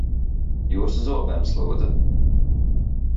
Jūsu zobenus, lūdzu.